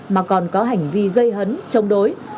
mà còn có hành vi gây hấn chống đối